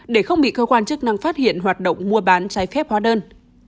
để không bị cơ quan chức năng phát hiện hoạt động mua bán trái phép hóa đơn